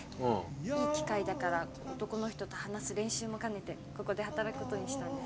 いい機会だから男の人と話す練習も兼ねてここで働く事にしたんです。